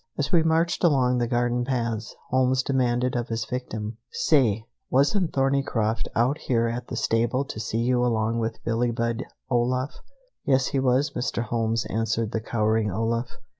As we marched along the garden paths, Holmes demanded of his victim: "Say, wasn't Thorneycroft out here at the stable to see you along with Billie Budd, Olaf?" "Yes, he was, Mr. Holmes," answered the cowering Olaf.